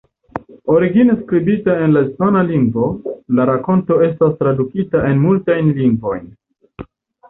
Origine skribita en la hispana lingvo, la rakonto estas tradukita en multajn lingvojn.